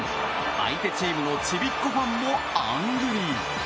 相手チームのちびっこファンもあんぐり。